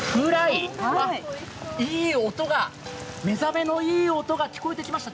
いい音が、目覚めのいい音が聞こえてきました。